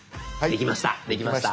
できました。